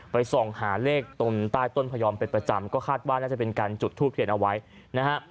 ส่องหาเลขตรงใต้ต้นพยอมเป็นประจำก็คาดว่าน่าจะเป็นการจุดทูบเทียนเอาไว้นะฮะ